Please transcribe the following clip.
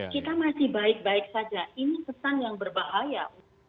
kita masih baik baik saja ini pesan yang berbahaya